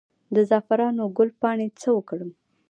د زعفرانو ګل پاڼې څه وکړم؟